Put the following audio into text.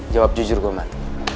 jawab jujur gue man